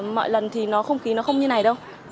mọi lần thì nó không khí nó không như này đâu